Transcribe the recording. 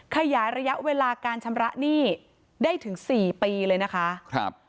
ขยายระยะเวลาการชำระหนี้ได้ถึงสี่ปีเลยนะคะครับ